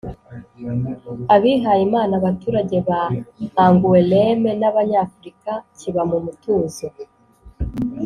abihayimana, abaturage ba angoulême n'abanyafurika kiba mu mutuzo